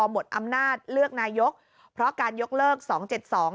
หมดอำนาจเลือกนายกเพราะการยกเลิกสองเจ็ดสอง